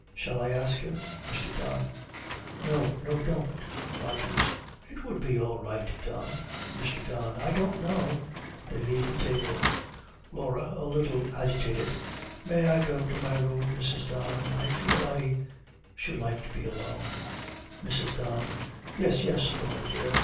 'Shall I ask him ?' MR. DON. 'No, no, don't.' ROGERS. 'It would be all right, Don.' MR. DON. 'I don't know.' They leave the table. LAURA, a little agitated, 'May I go to my room, Mrs. Don? I feel I should like to be alone.' MRS. DON. 'Yes, yes, Laura dear.